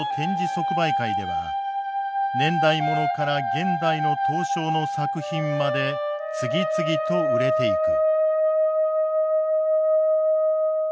即売会では年代物から現代の刀匠の作品まで次々と売れていく。